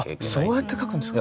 そうやって描くんですか。